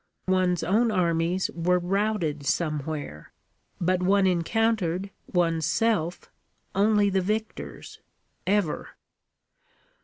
One's own armies were routed somewhere; but one encountered, one's self, only the victors, ever.